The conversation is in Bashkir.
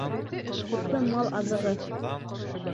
Һутлы мал аҙығы.